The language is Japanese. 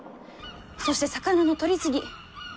そして魚の取り過ぎ！